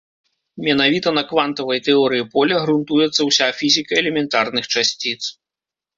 Менавіта на квантавай тэорыі поля грунтуецца ўся фізіка элементарных часціц.